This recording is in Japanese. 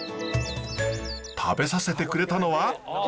食べさせてくれたのは。